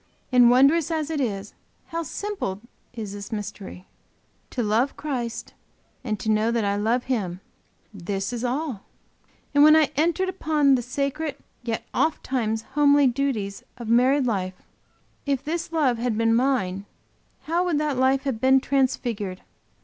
And wondrous as it is, how simple is this mystery! To love Christ and to know that I love Him this is all! And when I entered upon the sacred yet oft times homely duties of married life, if this love had been mine, how would that life have been transfigured!